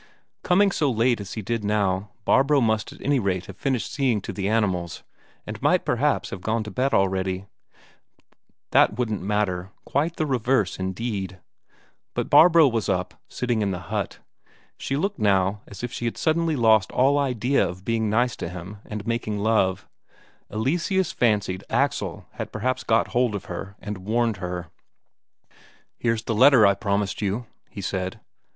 Coming so late as he did now, Barbro must at any rate have finished seeing to the animals, and might perhaps have gone to bed already. That wouldn't matter quite the reverse, indeed. But Barbro was up, sitting in the hut. She looked now as if she had suddenly lost all idea of being nice to him and making love Eleseus fancied Axel had perhaps got hold of her and warned her. "Here's the letter I promised you," he said.